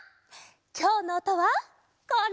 きょうのおとはこれ！